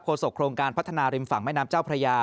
โศกโครงการพัฒนาริมฝั่งแม่น้ำเจ้าพระยา